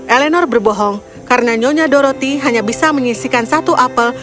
elenor berbohong karena nyonya doroti hanya bisa menyisikan satu apel